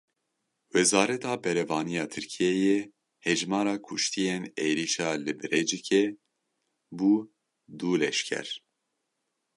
Wezareta Berevaniya Tirkiyeyê Hejmara kuştiyên êrişa li Birecikê bû du leşker.